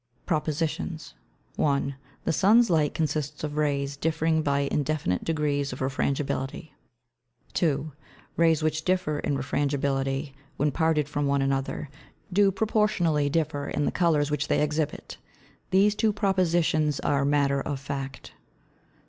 PROPOSITIONS. 1. The Sun's Light consists of Rays differing by indefinite Degrees of Refrangibility. 2. Rays which differ in Refrangibility, when parted from one another, do proportionally differ in the Colours which they exhibit. These Two Propositions are Matter of Fact.